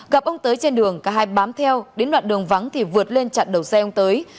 gặp ông tới trên đường cả hai bám theo đến đoạn đường vắng thì vượt lên chặn đầu xe ông tới